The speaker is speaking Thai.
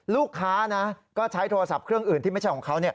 ลูกค้านะก็ใช้โทรศัพท์เครื่องอื่นที่ไม่ใช่ของเขา